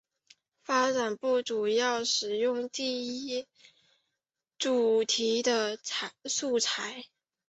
发展部主要使用了第一主题的素材。